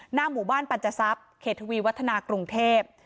หน้าหมู่บ้านปัญจทรัพย์เขตทวีวัฒนากรุงเทพ